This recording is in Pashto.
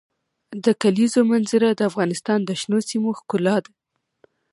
د کلیزو منظره د افغانستان د شنو سیمو ښکلا ده.